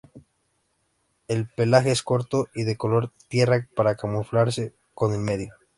El pelaje es corto y de color tierra, para camuflarse con el medio.